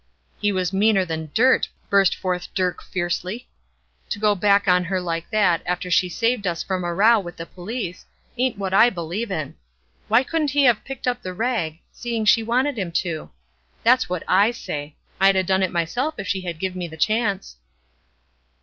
"He was meaner than dirt!" burst forth Dirk, fiercely. "To go back on her like that, after she had saved us from a row with the police, ain't what I believe in. Why couldn't he have picked up the rag, seeing she wanted him to? That's what I say. I'd a done it myself if she had give me the chance."